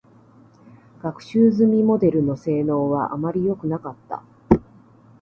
学習済みモデルの性能は、あまりよくなかった。